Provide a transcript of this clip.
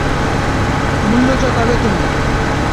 মূল্য চোকাবে তুমি।